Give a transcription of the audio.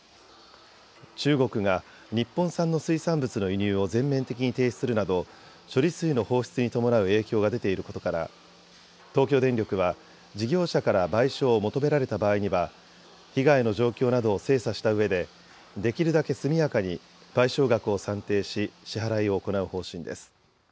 中国が日本産の水産物の輸入を全面的に停止するなど処理水の放出に伴う影響が出ていることから東京電力は事業者から賠償を求められた場合には被害の状況などを精査したうえでできるだけ速やかに賠償額を算定し支払いを行う方針です。